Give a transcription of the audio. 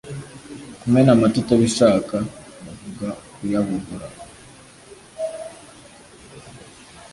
kumena Amata utabishakabavuga Kuyabogora